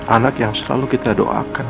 anak yang selalu kita doakan